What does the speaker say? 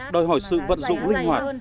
đòi hỏi sự vận dụng linh hoạt